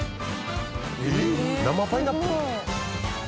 生パイナップル？